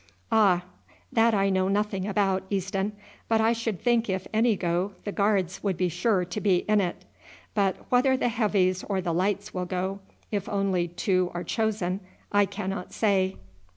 "Ah, that I know nothing about, Easton; but I should think if any go, the Guards would be sure to be in it. But whether the Heavies or the Lights will go, if only two are chosen, I cannot say.